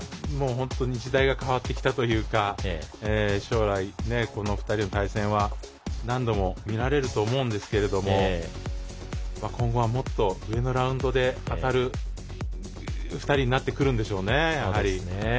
本当に時代が変わってきたというか将来、この２人の対戦は何度も見られると思うんですけど今後はもっと上のラウンドで当たる２人になってくるんでしょうね。